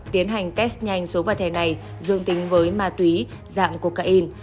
tiến hành test nhanh số vật thể này dương tính với ma túy dạng cocaine